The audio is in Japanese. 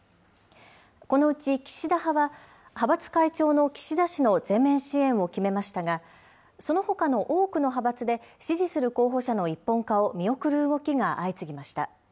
このうち岸田派は、派閥会長の岸田氏の全面支援を決めましたが、そのほかの多くの派閥で、支持する候補者の一本化を見送る動きが相次ぎました。